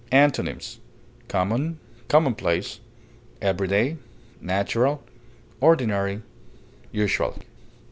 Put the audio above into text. Antonyms: common, commonplace, everyday, natural, ordinary, usual.